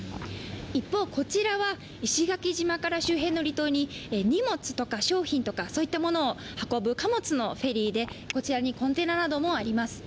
一方、こちらは石垣島から周辺の離島に荷物とか商品とかを運ぶ貨物のフェリーでこちらにコンテナなどもあります。